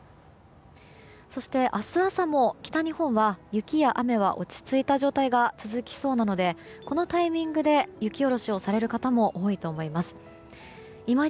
そして明日朝も北日本は雪や雨は落ち着いた状態が続きそうなのでこのタイミングで雪下ろしをされる方も多いと思います。